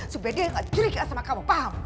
supaya dia gak jerik sama kamu paham